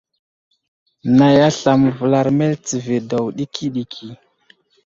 Nay aslam məvəlar meltivi daw ɗikiɗiki.